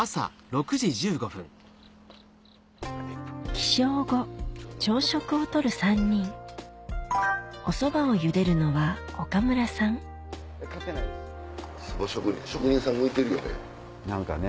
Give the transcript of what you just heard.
起床後朝食を取る３人おそばをゆでるのは岡村さん職人さん向いてるよね。